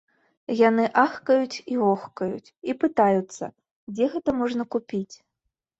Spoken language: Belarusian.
Яны ахкаюць і вохкаюць і пытаюцца, дзе гэта можна купіць.